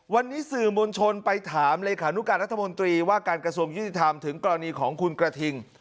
วันนี้สื่อมวลชนไปถามเลขานุการรัฐมนตรีว่าการกระทรวงยุติธรรมถึงกรณีของคุณกระทิง